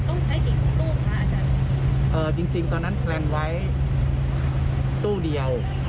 จริงคือเราอยากได้๔๐พุทรเพิ่งที่เราแพบแบบเนี่ย